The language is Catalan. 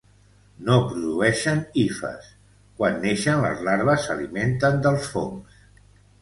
No produeixen hifes. Quan naixen les larves s'alimenten dels fongs.